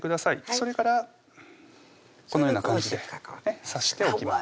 それからこのような感じで刺しておきます